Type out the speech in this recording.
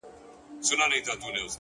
• ستا سترگو كي بيا مرۍ؛ مرۍ اوښـكي؛